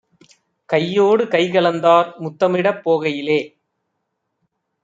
கையோடு கைகலந்தார்; முத்தமிடப் போகையிலே